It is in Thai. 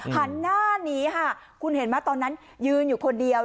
หันหน้าหนีค่ะคุณเห็นไหมตอนนั้นยืนอยู่คนเดียว